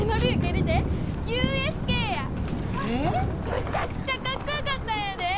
むちゃくちゃかっこよかったんやで！